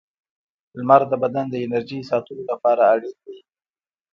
• لمر د بدن د انرژۍ ساتلو لپاره اړین دی.